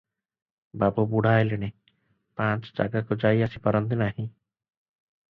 ବାବୁ ବୁଢ଼ା ହେଲେଣି, ପାଞ୍ଚ ଜାଗାକୁ ଯାଇ ଆସି ପାରନ୍ତି ନାଇଁ ।